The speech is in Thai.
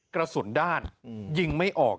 กระสุนด้านยิงไม่ออก